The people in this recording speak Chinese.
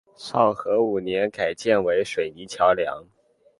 昭和五年改建为水泥桥梁。